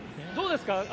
どうですか？